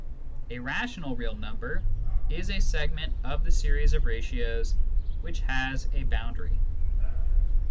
A " rational real number " is a segment of the series of ratios which has a boundary.